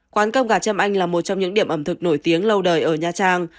quán cơm gà châm anh là một trong những điểm ẩm thực nổi tiếng lâu đời ở nha trang